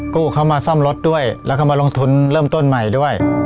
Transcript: กู้เขามาซ่อมรถด้วยแล้วก็มาลงทุนเริ่มต้นใหม่ด้วย